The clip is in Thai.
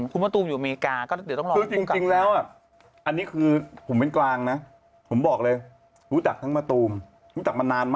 คุณมะตูมอยู่อเมริกาก็เดี๋ยวต้องรอแล้วพูดกัน